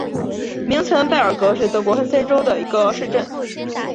明岑贝尔格是德国黑森州的一个市镇。